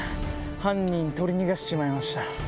犯人取り逃がしちまいました。